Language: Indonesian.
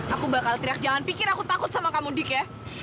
aku bakal teriak jangan pikir aku takut sama kamu dik ya